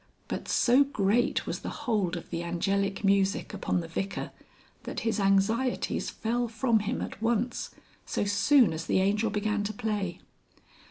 But so great was the hold of the Angelic music upon the Vicar that his anxieties fell from him at once, so soon as the Angel began to play.